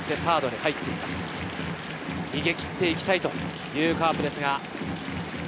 逃げ切っていきたいというカープです。